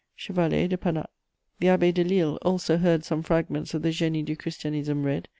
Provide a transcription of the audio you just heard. "CHEV. DE PANAT." The Abbé Delille also heard some fragments of the Génie du Christianisme read.